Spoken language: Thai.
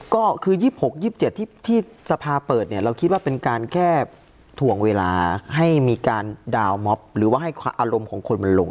ก็คือ๒๖๒๗ที่สภาเปิดเนี่ยเราคิดว่าเป็นการแค่ถ่วงเวลาให้มีการดาวนม็อบหรือว่าให้อารมณ์ของคนมันลง